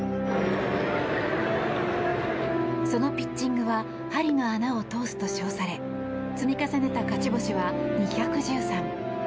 そのピッチングは針の穴を通すと称され積み重ねた勝ち星は２１３。